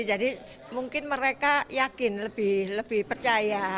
jadi mungkin mereka yakin lebih percaya